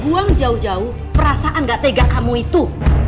buang jauh jauh perasaan gak tega kamu itu